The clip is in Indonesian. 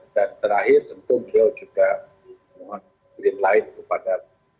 dan terakhir tentu beliau juga meminta restu kepada